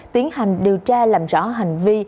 tiến hành điều tra làm rõ hành vi